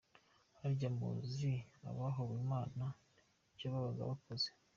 Harya muzi abahowe imana icyo babaga bakoze?